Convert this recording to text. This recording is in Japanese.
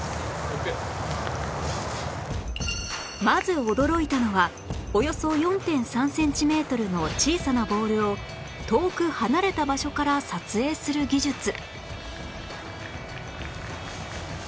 まず驚いたのはおよそ ４．３ センチメートルの小さなボールを遠く離れた場所から撮影する技術